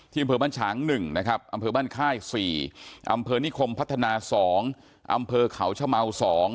อำเภอบ้านฉาง๑นะครับอำเภอบ้านค่าย๔อำเภอนิคมพัฒนา๒อำเภอเขาชะเมา๒